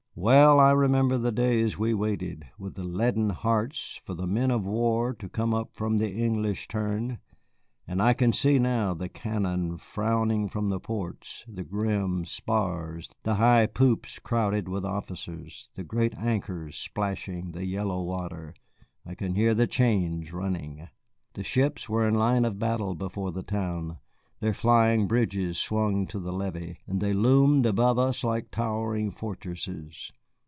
Well I remember the days we waited with leaden hearts for the men of war to come up from the English turn; and I can see now the cannon frowning from the ports, the grim spars, the high poops crowded with officers, the great anchors splashing the yellow water. I can hear the chains running. The ships were in line of battle before the town, their flying bridges swung to the levee, and they loomed above us like towering fortresses.